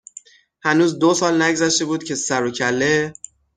هنوز دوسال نگذشته بود که سر و کله